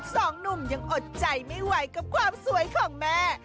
สองหนุ่มยังอดใจไม่ไหวกับความสวยของแม่